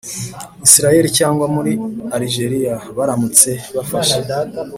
isirayeli, cyangwa muri alijeriya baramutse bafashe